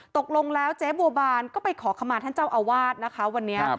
ตกลงแล้วเจ๊บัวบานก็ไปขอขมาท่านเจ้าอาวาสนะคะวันนี้